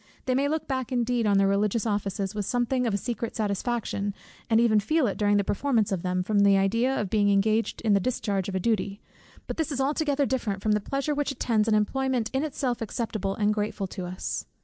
They may look back indeed on their religious offices with something of a secret satisfaction, and even feel it during the performance of them, from the idea of being engaged in the discharge of a duty; but this is altogether different from the pleasure which attends an employment in itself acceptable and grateful to us.